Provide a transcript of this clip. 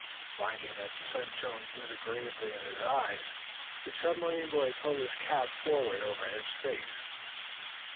Finding that the sun shone disagreeably in his eyes, the submarine boy pulled his cap forward over his face.